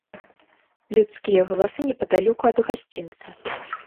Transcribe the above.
Людскія галасы непадалёку ад гасцінца.